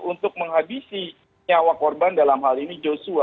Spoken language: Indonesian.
untuk menghabisi nyawa korban dalam hal ini joshua